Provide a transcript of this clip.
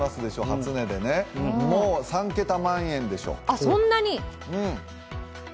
初値でね、３桁万円でしょ。